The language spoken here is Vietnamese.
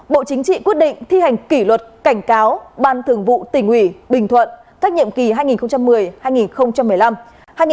bộ chính trị quyết định thi hành kỷ luật cảnh cáo ban thường vụ tỉnh ubnd tỉnh bình thuận